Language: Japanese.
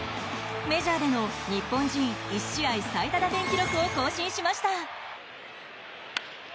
メジャーでの日本人１試合最多打点記録を更新しました。